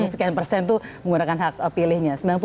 sembilan puluh sekian persen itu menggunakan hak pilihnya